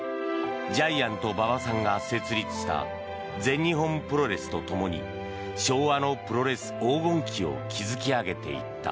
ジャイアント馬場さんが設立した全日本プロレスとともに昭和のプロレス黄金期を築き上げていった。